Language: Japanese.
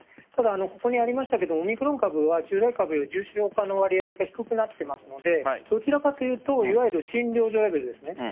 ただ、ここにありましたがオミクロン株は従来株より重症化の割合が低くなっていますのでどちらかというといわゆる診療所です。